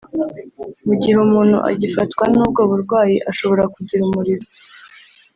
Mu gihe umuntu agifatwa n’ubwo burwayi ashobora kugira umuriro